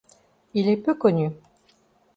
Il est peu connu.